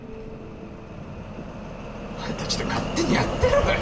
お前たちで勝手にやってろよ。